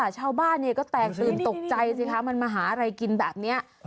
ชาวบ้านก็แตกตื่นตกใจสิคะมันมาหาอะไรกินแบบนี้